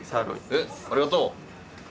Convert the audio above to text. えっありがとう！